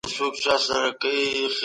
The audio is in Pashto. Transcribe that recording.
سیاستوال به د بیان ازادي ساتي.